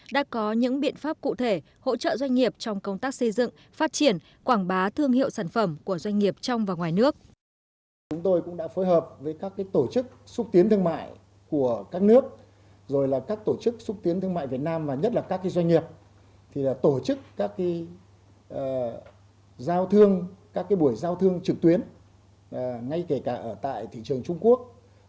đã có những biện pháp cụ thể hỗ trợ doanh nghiệp trong công tác xây dựng phát triển quảng bá thương hiệu sản phẩm của doanh nghiệp trong và ngoài nước